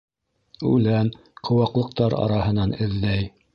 Үлән, ҡыуаҡлыҡтар араһынан эҙләй.